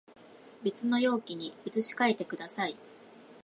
別の容器に移し替えてください